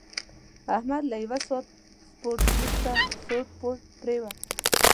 احمد له یوه ساعت سپورت ورسته سوړ پوړ پرېوت.